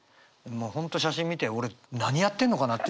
もう本当写真見て俺何やってんのかなっていう。